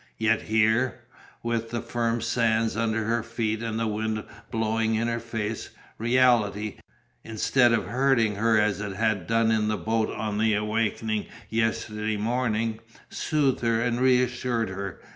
Yet here, with the firm sands under her feet and the wind blowing in her face, reality, instead of hurting her as it had done in the boat on awakening yesterday morning, soothed her and reassured her.